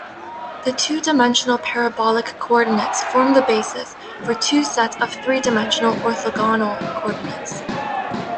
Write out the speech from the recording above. The two-dimensional parabolic coordinates form the basis for two sets of three-dimensional orthogonal coordinates.